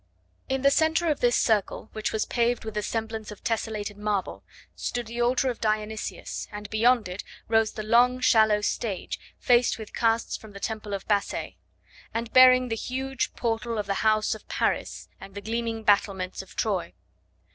In the centre of this circle, which was paved with the semblance of tesselated marble, stood the altar of Dionysios, and beyond it rose the long, shallow stage, faced with casts from the temple of Bassae; and bearing the huge portal of the house of Paris and the gleaming battlements of Troy.